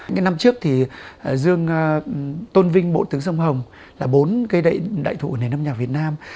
những năm trước thì dương tôn vinh bộ tướng sông hồng là bốn cây đại thụ của nền âm nhạc việt nam